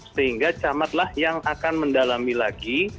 sehingga camatlah yang akan mendalami lagi